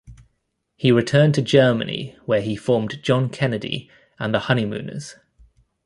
He returned to Germany where he formed John Kennedy and the Honeymooners.